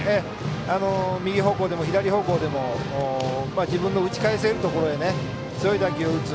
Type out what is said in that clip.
右方向でも左方向でも自分の打ち返せるところへ強い打球を打つ。